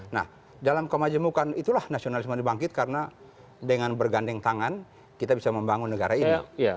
nah dalam kemajemukan itulah nasionalisme ini bangkit karena dengan bergandeng tangan kita bisa membangun negara ini